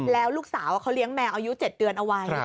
แล้วลูกสาวเขาเลี้ยงแมวอายุ๗เดือนเอาไว้